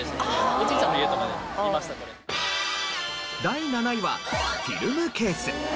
第７位はフィルムケース。